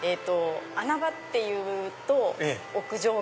穴場っていうと屋上が。